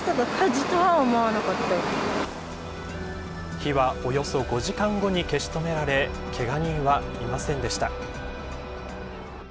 火はおよそ５時間後に消し止められけが人はいませんでした。